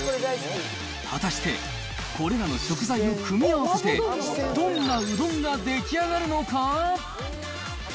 果たしてこれらの食材を組み合わせて、どんなうどんが出来上がるのか？